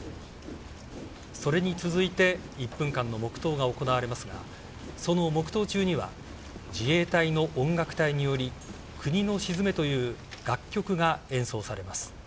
それに続いて１分間の黙祷が行われますがその黙祷中には自衛隊の音楽隊により「国の鎮め」という楽曲が演奏されます。